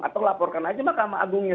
atau laporkan aja mahkamah agungnya